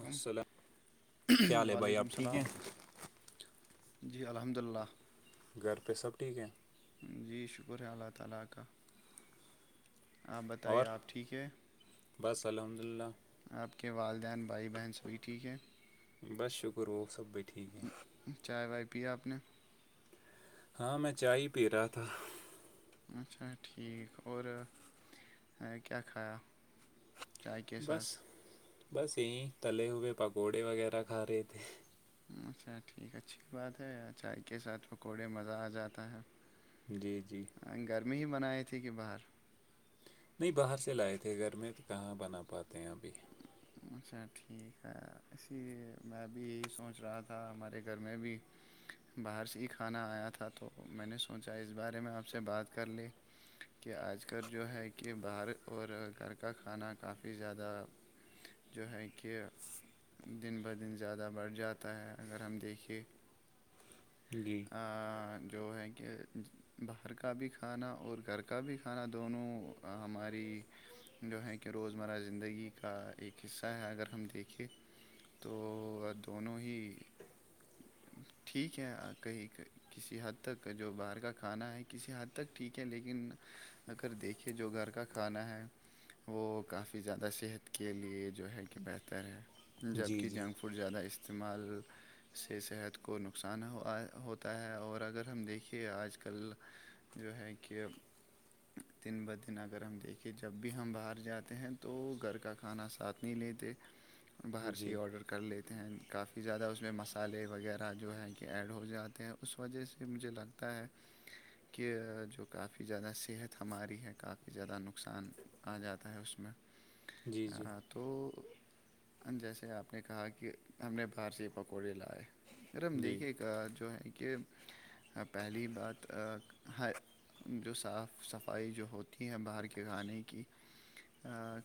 السلام کیا حال ہے بھائی وعلیکم آپ ٹھیک ہیں السلام جی الحمد للہ گھر پہ سب ٹھیک ہیں جی شکر ہے اللہ تعالی کا آپ بتائیے اور آپ ٹھیک ہے بس الحمد للہ آپ کے والدین بھائی بہن سبھی ٹھیک ہے بس شکر وہ سب بائی ٹھیک ہے چائے وائے پیا آپ نے ہاں میں چائے ہی پی رہا تھا اچھا ٹھیک اور کیا کایا بس بس یہی تلے ہوئے پکوڑے وغیرہ کھا رہے تھے اچھا ٹھیک اچھی بات ہے یار چائے کے ساتھ پکوڑے مزہ آ جاتا ہے جی جی گرمی ہی بنائی تھی کہ باہر نہیں باہر سے لائے تھے گھر میں تو کہاں بنا پاتے ہیں ابھی اچھا ٹھیک ہے اسی میں بھی یہی سوچ رہا تھا ہمارے گھر میں بھی باہر سے ہی کھانا آیا تھا تو میں نے سوچا اس بارے میں آپ سے ب کر لے کہ آج کل جو ہے کہ باہر اور گھر کا کھانا کافی زیادہ جو ہے کہ دن ب دن زیادہ بڑھ جاتا ہے اگر ہم دیکھیے جی جو ہے کہ باہر کا بھی کھانا اور گھر کا بھی کھانا دونوں ہماری جو ہے کہ روزمرہ زندگی کا ایک حصہ ہے اگر ہم دیکھیں تو دونوں ہی کیا کہ کسی حد تک جو باہر کا کھانا ہے کسی حد تک ٹھیک ہے لیکن اگر دیکھے جو گھر کا کھانا ہے وہ کافی زیادہ صحت کے لیے جو ہے کہ بہتر ہے جی جبکہ جی جنک فوڈ زیادہ استعمال سے صحت کو نقہ نقصان ہو ہوتا ہے اور اگر ہم دیکھے آج کل جو ہے کہ دن بہدن اگر ہم دیکھیں جب بھی ہم باہر جاتے ہیں تو گھر کا کھانا ساتھ نہیں لیتے باہر سے ہی جی آڈر کر لیتے ہیں کافی زیادہ اس میں مسالے وغیرہ جو ہے کہ ایڈ ہو جاتے ہیں اس وجہ سے مجھے لگتا ہے کہ جو کافی زیادہ صحت ہماری ہے کافی زیادہ نقصان آ جاتا ہے اس میں جی جی [unintelligible] تو جیسے آپ نے کہا کہ ہم نے باہر سے پکوڑے لائے ار ہم جی دیکھیے جو ہے کہ پہلی بات جو صاف صفائی جو ہوتی ہے باہر کے کھانے کی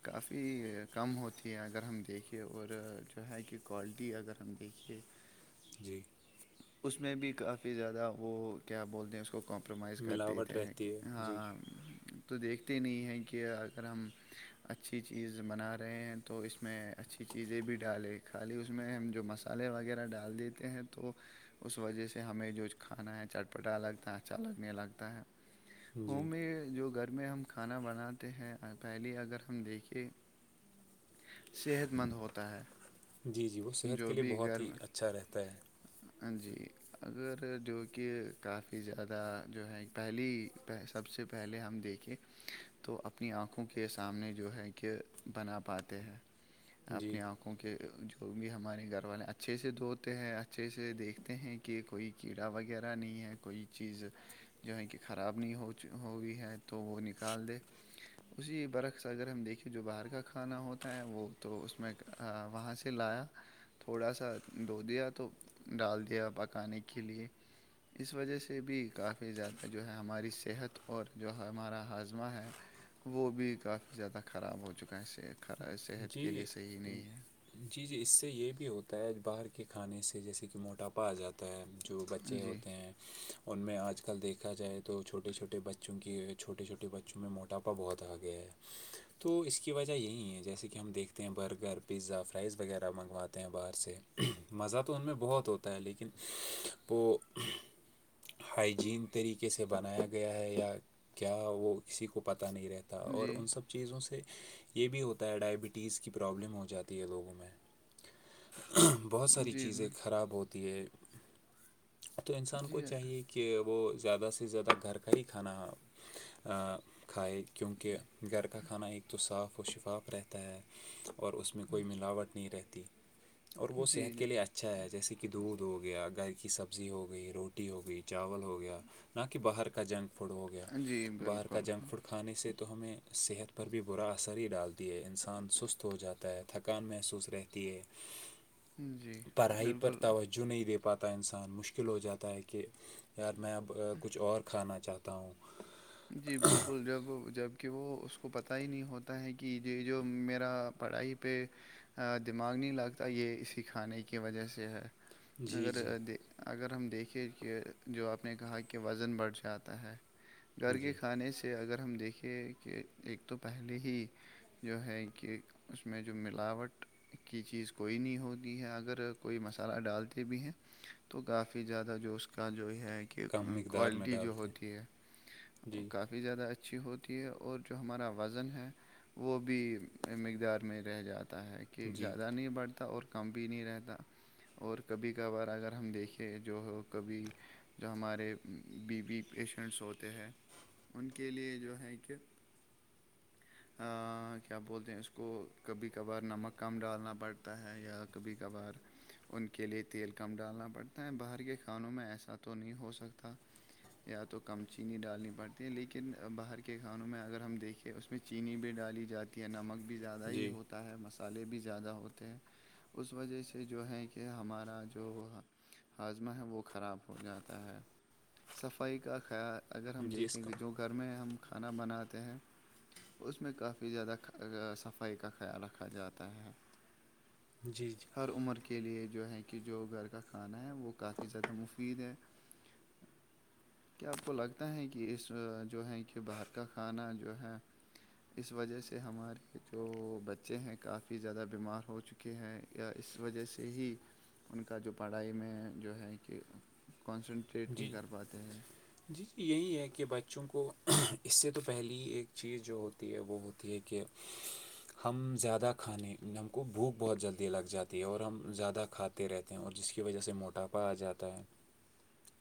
کافی کم ہوتی ہے اگر ہم دیکھھیے اور جو ہے کہ کوالٹی اگر ہم دیکھے جی اس میں بھی کافی زیادہ وہ کیا بولتے ہیں اس کو کام کمپرومائز کر ملاوٹ دیتے ہیں کہ رہتی ہے جی ہاں تو دیکھتے نہیں ہیں کہ اگر ہم اچھی چیز بنا رہے ہیں تو اس میں اچھی چیزیں بھی ڈالیں خالی اس میں ہم جو مسئلے وغیرہ ڈال دیتے ہیں تو اس وجہ سے ہمیں جو کھانا ہے چٹپٹا لگتا ہے اچھا لگنے لگتا ہے ہوم جی میں جو گھر میں ہم کھانا بناتے ہیں پہلے اگر ہم دیکھیں صحت مند ہوتا ہے جی جی وہ صحت جو کے لیے بھی بہت گھر ہی میں اچھا رہتا ہے ہاں جی اگر جو کہ کافی زیادہ جو ہے پہلی سب سے پہلے ہم دیکھیں تو اپنی آنکھوں کے سامنے جو ہے کہ بنا پاتے ہیں جی اپنی آنکھوں کے جو بھی ہمارے گھر والے اچھے سے دھوتے ہیں اچھے سے دیکھتے ہیں کہ کوئی کیڑا وغیرہ نہیں ہے کوئی چیز جو ہے کہ خراب نہیں ہوئی ہے تو وہ نکال دے اسی برق اگر ہم دیکھیں جو باہر کا کھانا ہوتا ہے وہ تو اس میں وہاں سے لایا تھوڑا سا دھو دیا تو ڈال دیا پکانے کے لیے اس وجہ سے بھی کافی زیادہ جو ہے ہماری صحت اور جو ہمارا ہاضمہ ہے وہ بھی کافی زیادہ خراب ہو چکا ہے صحت کے لیے جی صحیح نہیں ہے جی جی اس سے یہ بھی ہوتا ہے باہر کے کھانے سے جیسے کہ موٹاپا پا جاتا ہے جو بچے جی ہوتے ہیں ان میں آج کل دیکھا جائے تو چھوٹے چھوٹے بچوں کی چھوٹے چھوٹے بچوں میں موٹاپا بہت آ گیا ہے تو اس کی وجہ یہی ہے جیسے کہ کہ ہم دیکھتے ہیں برگر پیزا فرائز وغیرہ منگواتے ہیں باہر سے مزہ تو ان میں بہت ہوتا ہے ہوتا ہے لیکن وہ ہائیجین طریقے سے بنایا گیا ہے یا کیا وہ کسی کو پتاہ نہیں رہتا اور جی ان سب چیزوں سے یہ بھی ہوتا ہے ٹیج کی پرابلم ہو جاتی ہے لوگوں میں بہت ساری جی چیزیں میم، خراب ہوتی ہے تو انسان جی کو چاہیے کہ کہ وہ زیادہ سے زیادہ گھر کا ہی کھانا کھائے کیونکہ گھر کا کھانا ایک تو صاف و شفاف رہتا ہے اور اس میں کوئی ملاوٹ نہیں رہتی اور وہ صحت جی کے لیے اچھا ہے جیسے کہ دودھ ہو گیا گھر کی سبزی ہو گئی روٹی ہو گئی چاول ہو گیا نہ کہ باہر کا جنک فوڈ ہو گیا جی باہر کا بالکل جنک ہاں، فوڈ کھانے سے تو ہمیں صحت پر بھی برا اثر ہی ڈالتی ہے انسان انسان سست ہو جاتا ہے تھکان محسوس رہتی ہے جی پڑھائی پر بالکل توجہ نہیں دے پاتا انسان مشکل ہو جاتا ہے کہ یار میں اب کچھ اور کھانا چاہتا ہوں جی بالکل جب جب کہ وہ اس کو پتا ہی نہیں ہوتا ہے کہ یہ جو میرا پڑھائی پہ دماغ نہیں لگتا یہ اس کھانے کی وجہ سے ہے جی جی مگر د اگر ہم دیکھیں کہ جو آپ نے کہا کہ وزن بڑھ جاتا ہے گھر کے جی کھانے سے اگر ہم دیکھیں کہ ایک تو پہلے ہی جو ہے کہ اس میں جو ملاوٹ کی چیز کوئی نہیں ہوتی ہے اگر کوئی مسالہ ڈالتے بھی ہیں تو کافی زیادہ جو اس کا جو ہے کہ کم مقدار میں کوالٹی جو ڈالتے ہوتی ہے جی بھی زیادہ اچھی ہوتی ہے اور جو ہمارا وزن ہے وہ بھی مقدار میں رہ جاتا ہے کہک جی زیادہ نہیں بڑھتا اور کم بھی نہیں رہتا اور کبھی کبھار اگر ہم دیکھیں جو ہو کبھی جو ہمارے بی بی پیشنٹس ہوتے ہیں ان کے لیے جو ہے کہ کیا بولتے ہیں اس کو کبھی کبھار نمک کم ڈالنا پڑتا ہے یا کبھی کبھار ان کے لیئے تیل کم ڈالنا پڑتا ہے باہر کے کھانوں میں ایسا تو نہیں ہو سکتا یا تو کم چینی ڈالنی پڑتی ہے لیکن باہر کے کھانوں میں اگر ہم دیکھیں اس میں چینی بھی ڈالی جاتی تییا نمک بھی زیادہ ہی جی ہوتا ہے مسالحے بھی زیادہ ہوتے ہیں اس وجہ سے جو ہے کہ ہمارا جو ہاضمہ ہے وہ خراب ہو جاتا ہے صفائی کا خیال اگر ہم جی اس دیکھیں کا جو گھر میں ہم کھانا بناتے ہیں اس میں کافی زیادہ صفائی کا خیال رکھا جاتا ہے جی جی ہر عمر کے لیے جو ہے کہ جو گھر کا کھانا ہے وہ کافی زیادہ مفید ہے کیا آپ کو لگتا ہے کہ اس جو ہے کہ باہر کا کھانا جو ہے اس وجہ سے ہمارے جو بچے ہیں کافی زیادہ بیمار ہو چکے ہیں کے ہیں یا اس وجہ سے ہی ان کا جو پڑھائی میں جو ہے کہ کنسنٹریٹ نہیں جی کر پاتے ہیں جی جی یہی ہے کہ بچوں کو اس سے تو پہلیے ہی ایک چیز جو ہوتی ہوتی ہے بہت ہی کہ ہم زیادہ کھانے ہم کو بھوک بہت جلدی لگ جاتی ہے اور ہم زیادہ کھاے رہتے ہیں اور جس کی وجہ سے موٹاپا آ جاتا ہے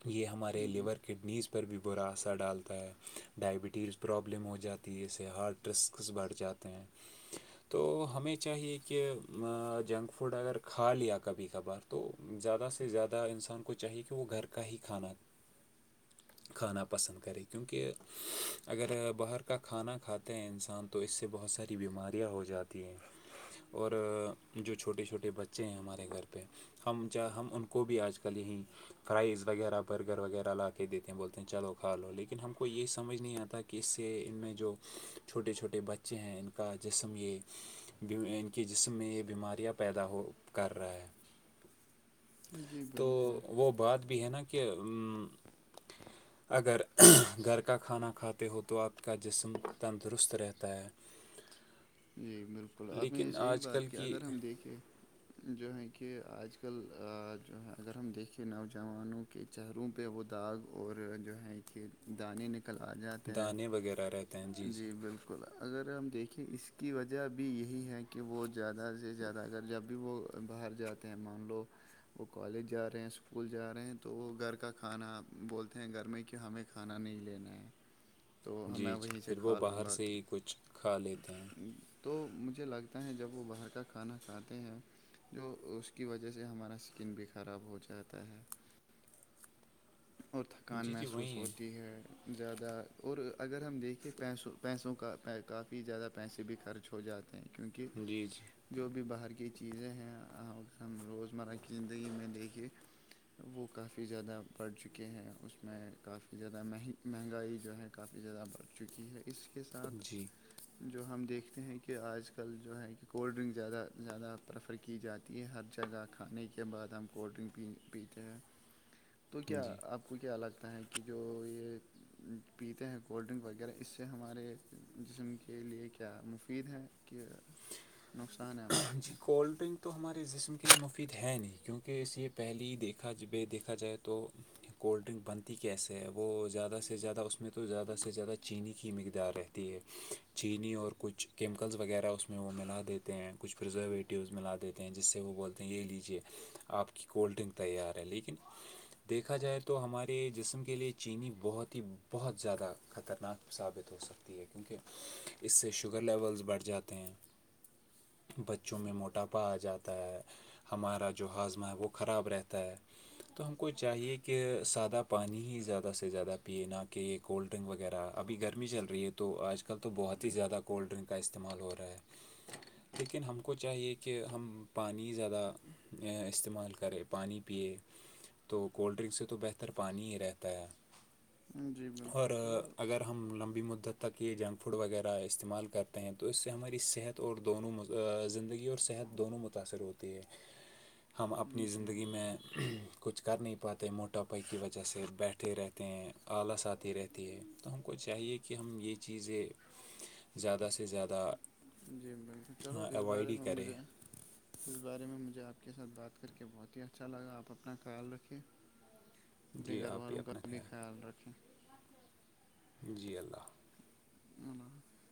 یہ ہمارے جی لیور کڈنیز پ پر بھی برا اثر ڈالتا ہے ڈائبٹیز پرابلم ہو جاتی ہے اس سے ہارٹ رسکس بڑھ جاتے ہیں گگگ تو ہمیں چاہیے کہ جنک فوڈ اگر کھا لیا کبھی کبھار تو زیادہ سے زیادہ انسان کو چاہیے کہ وہ گھر کا ہی کھانا بچ کھانا پسند کرے کیونکہ اگر باہر کا کھانا کھاتے ہیں انسان تو اس سے بہت ساری بیماریاں ہو جاتی ہیں اور جو چھوٹے چھوٹے بچے ہیں ہمارے گھر پہ ہم چ ہم ان کو بھی آج کل یہیں فرائز وغیرہ برگر وغیرہ لا کے دیتے ہیں بولتے ہیں چلو کھا لو لیکن ہم کو یہ سمجھ نہیں آتا کہ کہ اس سے ان میں جو چھوٹے چھوٹے بچے ہیں ان کا جسم یہ ان کے جسم میں یہ بیماریاں پیدا ہو کر رہا ہے جی تو بالکل وہ بات بھی ہے نا کہ اگر گھر کا کھانا کھاتے ہو تو آپ کا جسم تندرست رہتا ہے جی بالکل آپ نے یہ لیکن صحیح آج کل بات کہ کی اگر ہم دیکھے جو ہے کہ آج کل جو ہے اگر ہم دیکھیں نوجوانوں کے چہروں پہ وہ داغ اور جو ہے کہ دانے ن کل آ جاتا ہے دانے وغیرہ رہتے ہیں جی بالکل اگر ہم دیکھیں اس کی وجہ بھی یہی ہے کہ وہ زیادہ سے زیادہ اگر جب بھی وہ باہر جاتے ہیں مان لو وہ کالج جا رہے ہیں اسکول جا رہے ہیں تو وہ گھر کا کھانا بولتے ہیں گھر میں کہ ہمیں کھانا نہیں لینا ہے تو جی ہمیں جی وہیں سے پھر وہ کھا لوں باہر گا سے ہی کچھ کھا لیتے ہیں تو مجھے لگتا ہے جب وہ باہر کا کھانا کھاتے ہیں جو اس کی وجہ سے ہمارا سکن بھی خراب ہو جاتا ہے اور تھکان جی جی محسوس وہیں ہوتی ہے زیادہ اور اگر ہم دیکھیں پیسوں پیسوں کا کافی زیادہ پیسے بھی خرچ ہو جاتے ہیں کیونکہ جی جی جو بھی باہر کی چیزیں ہیں ہم روزمرہ کی زندگی میں لے کے وہ کافی زیادہ بڑھ چکے ہیں اس میں کافی زیادہ مہنگی مہنگائی جو ہے کافی زیادہ بڑھ چکی ہے اس کے ساتھ جی جو ہم دیکھتے ہیں کہ آج کل جو ہے کہ کولڈ ڈرنک زیادہ زیادہ پریفر کی جاتی ہر جگہ کھانے کے بعد ہم کولڈ ڈرنک پی پیتے ہیں تو کیا جی آپ کو کو کیا لگتا ہے کہ جو یہ پیتے ہیں کولڈ ڈرنک وغیرہ اس سے ہمارے جسم کی کے لیے کیا مفید ہے کہ نقصان ہے ہمارے جی لیے کولڈ ڈرنک تو ہمارے جسم کے لیے مفید ہے نہیں کیونکہ اسے پہلی دیکھاب دیکھا جائے تو کولڈ ڈرنک بنتی کیسے ہے وہ زیادہ سے زیادہ اس میں تو زیادہ سے زیادہ چینی کی مقدار ہے ہے چینی اور کچھ کیمیکلس وغیرہ اس میں وہ ملا دیتے ہیں کچھ پرریزرویٹیوز ملا دیتے ہیں جس سے وہ بولتے ہیں یہے لیجیے آپ کی کولڈ ڈرنک تیار ہے لیکن دیکھا جائے تو ہمارے جسم کے لیے چینی بہت ہی بہت زیادہ خطرناک ثابت ہو سکتی ہے کیونکہ اس سے شوگر لیولز بڑھ جاتے ہیں بچوں میں موٹاپا آ جاتا ہے ہمارا جو ہاضمہ ہے وہ خراب رہتا ہے تو ہم کو چاہیے کہ سادہ پانی ہی زیادہ سے زیادہ پیے نہ کہ یہ کولڈ ڈرنک وغیرہ ابھی گرمی چل رہی ہے تو آج کل تو بہت ہی زیادہ کولڈ ڈرنگک کا استعمال ہو رہا ہے لیکن ہم کو چاہیے کہ ہم پانی زیادہ استعمال کرے پانی پیئے تو کولڈ ڈرنک سے تو بہتر پانی ہی رہتا ہے جی اور بالکل چلو اگر ہم لمبی مدت تک یہ جنک فوڈ وغیرہ استعمال کرتے ہیں تو اس سے ہماری صحت اور دونوں زندگی اور صحت دونوں متاأثر ہوتی ہے ہم اپنی جی زندگی میں بالکل کچھ کر نہیں پاتے موٹاپائی کی وجہ سے بیٹھے رہتے ہیں آلس آتی رہتے ہے تو ہم کو چاہیے کہ ہم یہ چیزیں [inaudible] زیادہ سے زیادہ جی بالکل چلو اس اوائڈ بارے ہی میں کریں مجھے اس بارے میں مجھے آپ کے ساتھ بات کر کے بہت ہی اچھا لگا آپ اپنا خیال رکھیے اپنے گھر والوں کا بھی خیال رکھیں جی اللہ ان